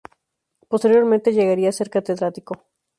Posteriormente llegaría a ser catedrático.